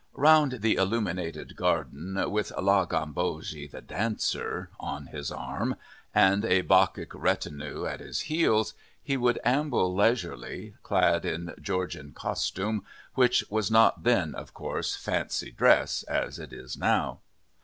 Round the illuminated garden, with La Gambogi, the dancer, on his arm, and a Bacchic retinue at his heels, he would amble leisurely, clad in Georgian costume, which was not then, of course, fancy dress, as it is now.